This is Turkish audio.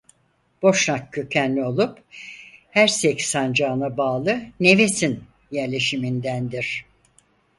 Boşnak kökenli olup Hersek sancağına bağlı Nevesin yerleşimindendir.